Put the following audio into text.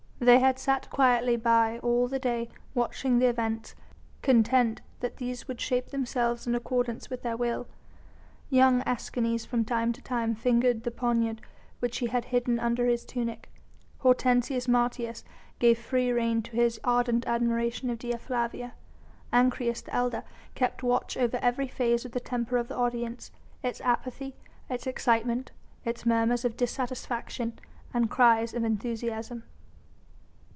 They had sat quietly by all the day watching the events, content that these would shape themselves in accordance with their will. Young Escanes from time to time fingered the poniard which he had hidden under his tunic, Hortensius Martius gave free rein to his ardent admiration of Dea Flavia, Ancyrus, the elder, kept watch over every phase of the temper of the audience its apathy, its excitement, its murmurs of dissatisfaction and cries of enthusiasm.